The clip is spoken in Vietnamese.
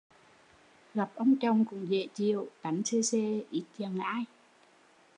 Gặp ông chồng cũng dễ chịu, tánh xề xề, ít giận ai